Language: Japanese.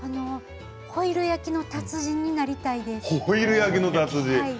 ホイル焼きの達人になりたいです。